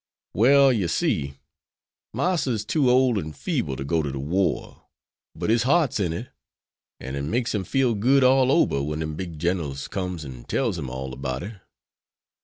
"Well, yer see, Marster's too ole and feeble to go to de war, but his heart's in it. An' it makes him feel good all ober when dem big ginerals comes an' tells him all 'bout it.